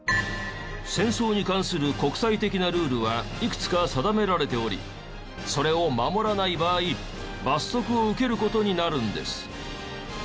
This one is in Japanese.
戦争に関する国際的なルールはいくつか定められておりそれを守らない場合罰則を受ける事になるんです。